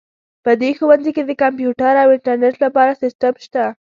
په دې ښوونځي کې د کمپیوټر او انټرنیټ لپاره سیسټم شته